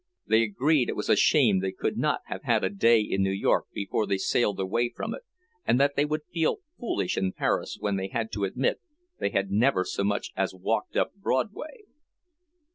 They agreed it was a shame they could not have had a day in New York before they sailed away from it, and that they would feel foolish in Paris when they had to admit they had never so much as walked up Broadway.